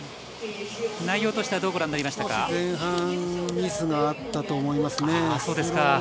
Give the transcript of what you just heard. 内容としてはどうご覧になりましたか？